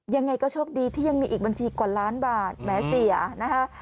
ยังไงก็โชคดีที่ยังมีอีกบัญชีกว่าล้านบาทแม้เสียนะคะ